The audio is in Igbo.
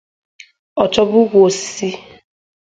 ọ chọba ukwu osisi.